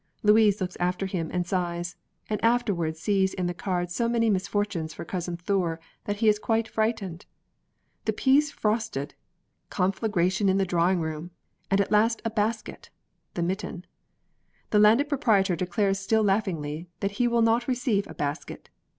Louise looks after him and sighs, and afterwards sees in the cards so many misfortunes for Cousin Thure that he is quite frightened. "The peas frosted!" "conflagration in the drawing room" and at last "a basket" ["the mitten"]. The Landed Proprietor declares still laughingly that he will not receive "a basket."